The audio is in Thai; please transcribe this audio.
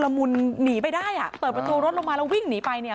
มุนหนีไปได้อ่ะเปิดประตูรถลงมาแล้ววิ่งหนีไปเนี่ย